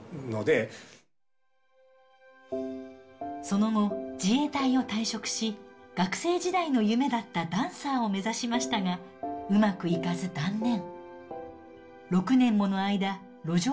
その後自衛隊を退職し学生時代の夢だったダンサーを目指しましたがうまくいかず断念。